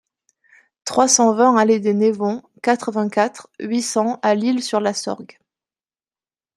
trois cent vingt allée des Névons, quatre-vingt-quatre, huit cents à L'Isle-sur-la-Sorgue